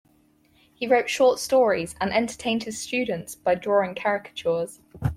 He wrote short stories and entertained his students by drawing caricatures.